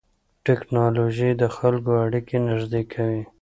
ټیکنالوژي د خلکو اړیکې نږدې کوي.